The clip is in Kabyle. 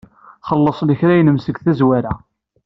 Xelleṣ lekra-nnem seg tazwara.